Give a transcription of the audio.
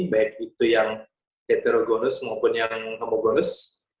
baik itu yang heterogonus maupun yang homogonus